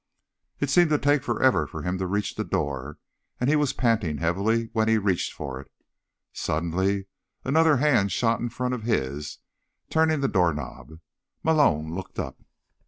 It seemed to take forever for him to reach the door, and he was panting heavily when he reached for it. Suddenly, another hand shot in front of his, turning the doorknob. Malone looked up.